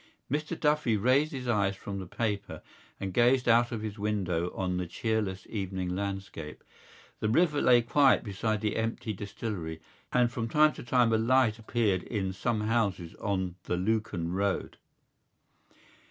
Mr Duffy raised his eyes from the paper and gazed out of his window on the cheerless evening landscape. The river lay quiet beside the empty distillery and from time to time a light appeared in some house on the Lucan road.